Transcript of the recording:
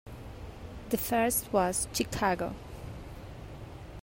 The first was "Chicago".